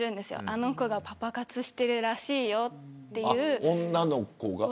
あの子がパパ活しているらしいよって、女の子が。